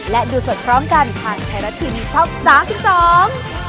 และดูสดพร้อมกันทางไทยรัฐทีวีช่องสามสิบสอง